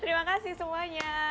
terima kasih semuanya